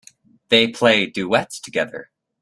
They play duets together.